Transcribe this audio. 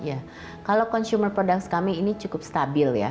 ya kalau consumer product kami ini cukup stabil ya